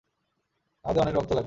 আমাদের অনেক রক্ত লাগবে।